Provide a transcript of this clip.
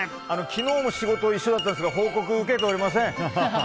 昨日も仕事一緒だったんですけど報告受けておりません。